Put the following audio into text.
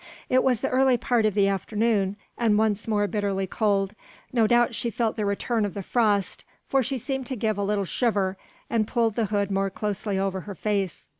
It was in the early part of the afternoon and once more bitterly cold no doubt she felt the return of the frost, for she seemed to give a little shiver and pulled the hood more closely over her face.